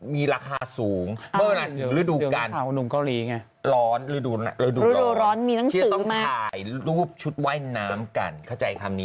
ไปแล้วต้องให้เห็นสิครับสิ